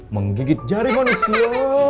menggigit jari manusia